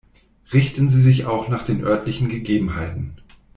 Richten Sie sich auch nach den örtlichen Gegebenheiten.